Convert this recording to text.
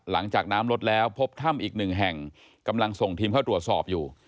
หลังจากน้ำลดแล้วพบถ้ำอีกหนึ่งแห่งกำลังส่งทีมเข้าตรวจสอบอยู่